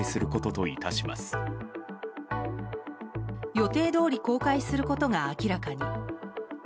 予定どおり公開することが明らかに。